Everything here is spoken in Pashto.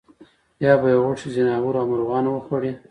یا به یې غوښې ځناورو او مرغانو وخوړې.